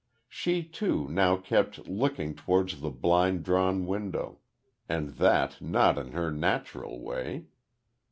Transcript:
She, too, now kept looking towards the blind drawn window, and that not in her natural way.